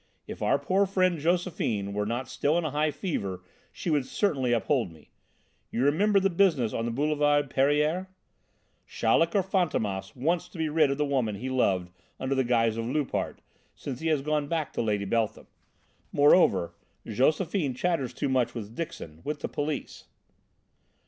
If our poor friend Josephine were not still in a high fever she would certainly uphold me. You remember the business on the Boulevard Pereire? Chaleck or Fantômas wants to be rid of the woman he loved under the guise of Loupart, since he has gone back to Lady Beltham. Moreover, Josephine chatters too much with Dixon, with the police.